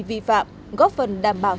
vi phạm góp phần đảm bảo